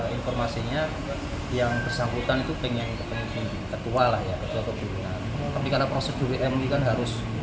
informasinya yang bersambutan itu pengen ketua ketua kebutuhan tapi karena prosedur ini kan harus